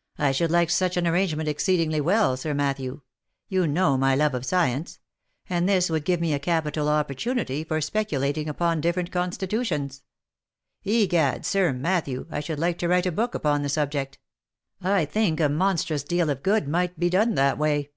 " I should like such an arrangement exceedingly well, Sir Mat thew. You know my love of science ; and this would give me a capital opportunity for speculating upon different constitutions. Egad, Sir Matthew, I should like to write a book upon the subject. I think a monstrous deal of good might be done that way."